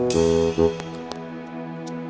bang robi tuh udah pake